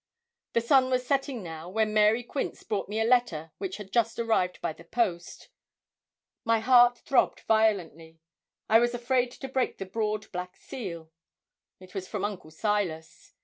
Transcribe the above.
The sun was setting now, when Mary Quince brought me a letter which had just arrived by the post. My heart throbbed violently. I was afraid to break the broad black seal. It was from Uncle Silas.